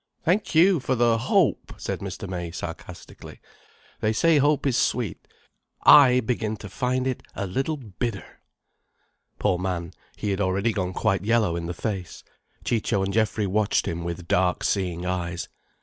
"Thank you for the hope" said Mr. May sarcastically. "They say hope is sweet. I begin to find it a little bitter!" Poor man, he had already gone quite yellow in the face. Ciccio and Geoffrey watched him with dark seeing eyes.